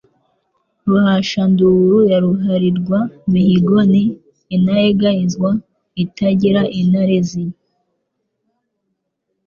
Ruhashyanduru ya ruharirwa mihigo, Ni Intayegayezwa itagira intarizi,